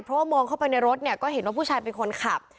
เพราะว่ามองเข้าไปในรถเนี่ยก็เห็นว่าผู้ชายเป็นคนขับ